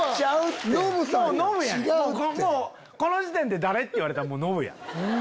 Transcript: この時点で誰？って言われたらノブやん。